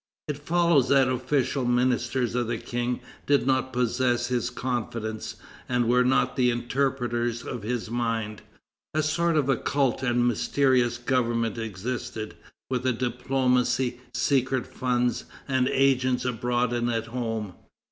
It follows that official ministers of the King did not possess his confidence and were not the interpreters of his mind. A sort of occult and mysterious government existed, with a diplomacy, secret funds, and agents abroad and at home.